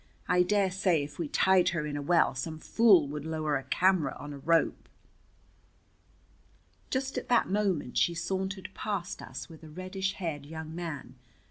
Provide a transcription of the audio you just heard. I dare say if we tied her in a well some fool would lower a camera on a rope." Just at that moment she sauntered past us with a reddish haired young man. Mr.